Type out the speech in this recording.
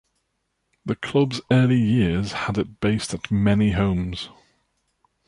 The club's early years had it based at many homes.